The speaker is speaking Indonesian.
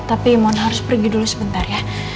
tapi mohon harus pergi dulu sebentar ya